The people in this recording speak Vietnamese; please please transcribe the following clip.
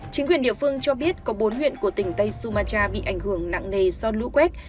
chính quyền địa phương cho biết có bốn huyện của tỉnh tây sumacha bị ảnh hưởng nặng nề do lũ quét